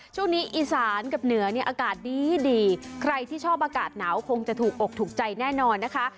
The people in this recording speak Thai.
ช่วงนี้อีสานกับเหนือเนี่ยอากาศดีดีใครที่ชอบอากาศหนาวคงจะถูกอกถูกใจแน่นอนนะคะ